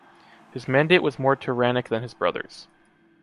His mandate was more tyrannic than his brother’s.